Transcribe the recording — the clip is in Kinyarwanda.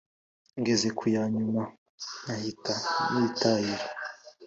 Ngeze kuyanyuma nkahita nitahira